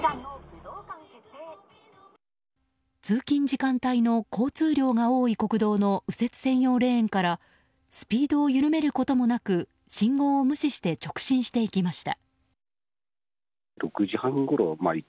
通勤時間帯の交通量が多い国道の右折専用レーンからスピードを緩めることもなく信号を無視して直進していきました。